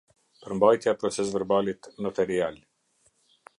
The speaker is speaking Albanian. Përmbajtja e procesverbalit noterial.